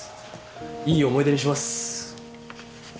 いい思い出にします。